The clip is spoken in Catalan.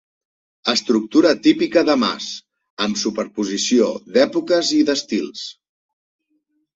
Estructura típica de mas, amb superposició d'èpoques i d'estils.